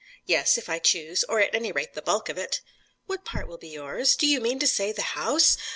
"Yes, if I choose: or at any rate the bulk of it." "What part will be yours? Do you mean to say the house?